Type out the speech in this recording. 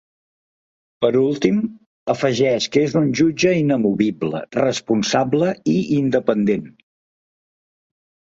Per últim, afegeix que és un jutge ‘inamovible, responsable i independent’.